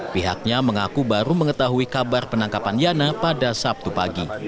pihaknya mengaku baru mengetahui kabar penangkapan yana pada sabtu pagi